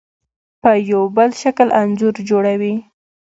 په یو بل شکل انځور جوړوي.